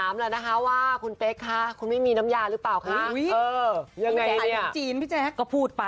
บรรยากาศดีมาก